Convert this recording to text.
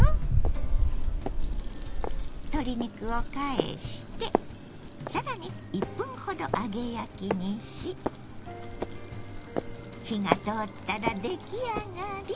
鶏肉を返して更に１分ほど揚げ焼きにし火が通ったら出来上がり！